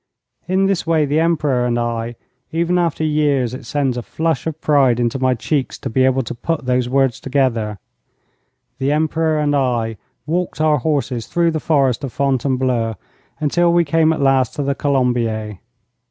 In this way the Emperor and I even after years it sends a flush of pride into my cheeks to be able to put those words together the Emperor and I walked our horses through the Forest of Fontainebleau, until we came at last to the Colombier.